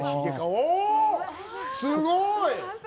すごい！